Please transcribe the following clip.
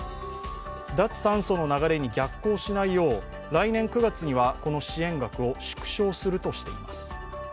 脱炭素の流れに逆行しないよう来年９月にはこの支援額を縮小するとしています。